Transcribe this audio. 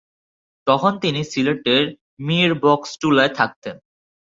তখন তিনি সিলেটের মিরবক্সটুলায় থাকতেন।